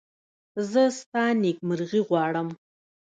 زه ستا نېکمرغي غواړم.